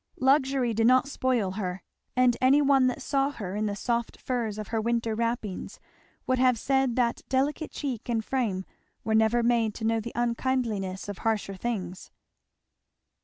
Luxury did not spoil her; and any one that saw her in the soft furs of her winter wrappings would have said that delicate cheek and frame were never made to know the unkindliness of harsher things.